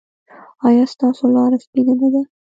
ایا ستاسو لاره سپینه نه ده؟